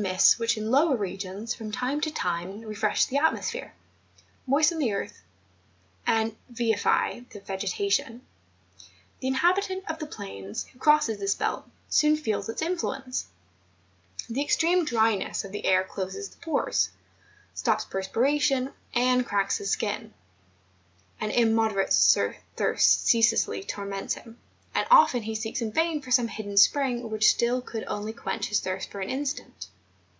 mists which in lower regions, from time to time re¬ fresh the atmosphere, moisten the earth, and vivify the vegetation. The inhabitant of the plains, who crosses this belt, soon feels its influence; the ex¬ treme dryness of the air closes the pores, stops per¬ spiration, and cracks his skin; an immoderate thirst ceaselessly torments him, and often he seeks in vain for some hidden spring which still could only quench his thirst for an instant.